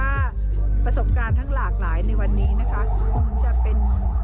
ว่าประสบการณ์ทั้งหลากหลายในวันนี้นะคะคงจะเป็น